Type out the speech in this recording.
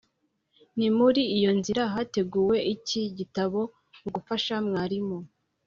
ni muri iyo nzira hateguwe iki gitabo mugufasha mwarimu,